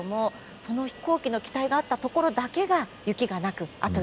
その飛行機の機体があったところだけが雪がなく辺り